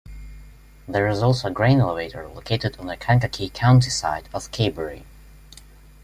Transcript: There is also a grain elevator located on the Kankakee County side of Cabery.